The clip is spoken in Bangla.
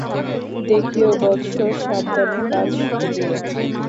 দেখিয়ো বৎস, সাবধানে কাজ করিয়ো।